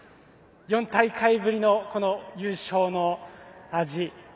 ４大会ぶりの優勝の味。